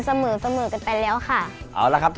เสมอกันแล้วนะครับ